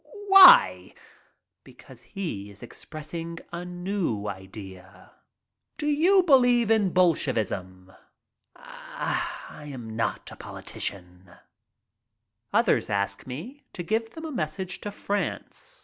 "Why?" "Because he is expressing a new idea." "Do you believe in Bolshevism?" "I am not a politician." Others ask me to give them a message to France.